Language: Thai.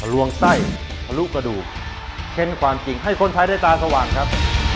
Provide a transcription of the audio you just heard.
ลวงไส้ทะลุกระดูกเค้นความจริงให้คนไทยได้ตาสว่างครับ